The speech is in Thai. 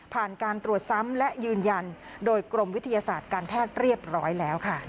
การตรวจซ้ำและยืนยันโดยกรมวิทยาศาสตร์การแพทย์เรียบร้อยแล้วค่ะ